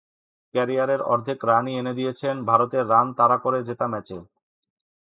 ক্যারিয়ারের অর্ধেক রানই এনে দিয়েছেন ভারতের রান তাড়া করে জেতা ম্যাচে।